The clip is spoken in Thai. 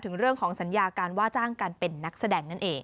เรื่องของสัญญาการว่าจ้างการเป็นนักแสดงนั่นเอง